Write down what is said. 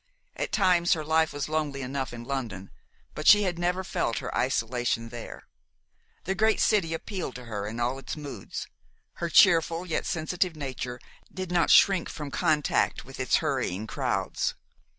At times her life was lonely enough in London; but she had never felt her isolation there. The great city appealed to her in all its moods. Her cheerful yet sensitive nature did not shrink from contact with its hurrying crowds.